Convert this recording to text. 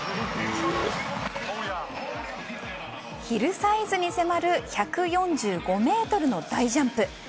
ヒルサイズに迫る１４５ｍの大ジャンプ。